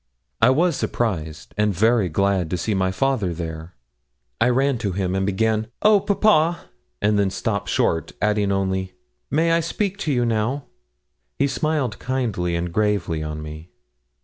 I was surprised and very glad to see my father there. I ran to him, and began, 'Oh! papa!' and then stopped short, adding only, 'may I speak to you now?' He smiled kindly and gravely on me.